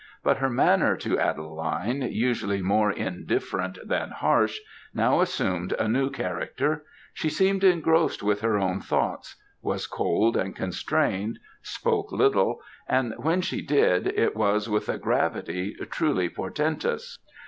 But, her manner to Adeline usually, more indifferent than harsh now assumed a new character; she seemed engrossed with her own thoughts; was cold and constrained; spoke little; and when she did, it was with a gravity truly portentous.